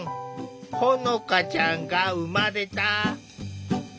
ほのかちゃんが生まれた。